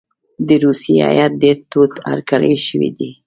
د روسیې هیات ډېر تود هرکلی شوی دی.